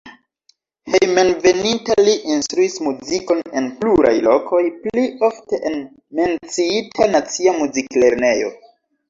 Hejmenveninta li instruis muzikon en pluraj lokoj, pli ofte en la menciita nacia muziklernejo.